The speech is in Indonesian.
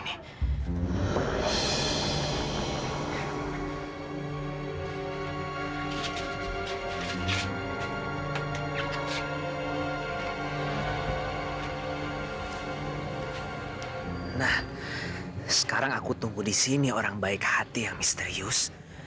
nah sekarang aku tunggu di sini orang baik hati yang misterius